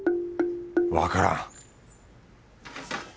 わからん